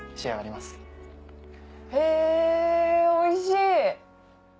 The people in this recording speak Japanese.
へぇおいしい！